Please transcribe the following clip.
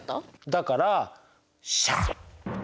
だからシャッて。